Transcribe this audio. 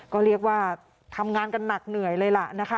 ก็เรียกว่าทำงานกันหนักเหนื่อยเลยล่ะนะคะ